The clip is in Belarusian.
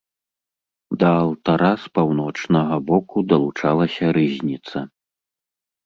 Да алтара з паўночнага боку далучалася рызніца.